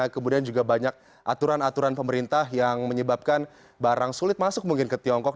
kemudian juga banyak aturan aturan pemerintah yang menyebabkan barang sulit masuk mungkin ke tiongkok